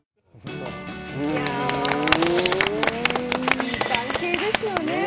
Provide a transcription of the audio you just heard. いい関係ですよね。